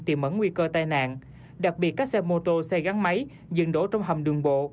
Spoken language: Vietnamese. tìm ẩn nguy cơ tai nạn đặc biệt các xe mô tô xe gắn máy dừng đổ trong hầm đường bộ